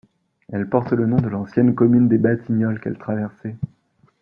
Elle porte le nom de l'ancienne commune des Batignolles qu'elle traversait.